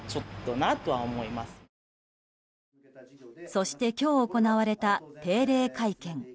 そして今日、行われた定例会見。